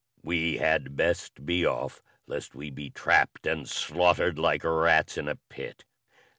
We had best be off lest we be trapped and slaughtered like rats in a pit."